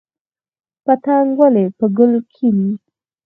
پتنګ ولې په ګل کیني؟